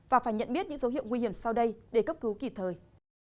và phải nhận biết những dấu hiệu nguy hiểm sau đây để cấp cứu kịp thời